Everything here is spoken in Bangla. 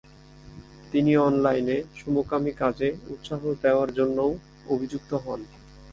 তিনি অনলাইনে সমকামি কাজে উৎসাহ দেয়ার জন্যও অভিযুক্ত হন।